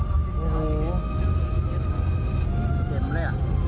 โอ้โหเต็มเลยอะ